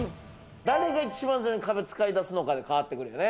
誰が一番最初に壁を使いだすのかで変わってくるね。